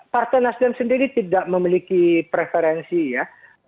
partai nasdem sendiri tidak memiliki preferensi ya